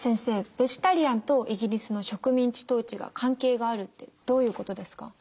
ベジタリアンとイギリスの植民地統治が関係があるってどういうことですか？